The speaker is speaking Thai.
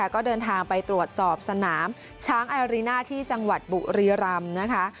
ก็เดินทางไปตรวจสอบสนามช้างอารีน่าที่จังหวัดบุรีรำนะคะ